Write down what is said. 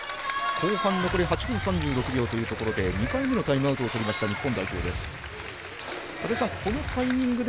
後半残り８分３６秒というところで２回目のタイムアウトをとった日本代表です。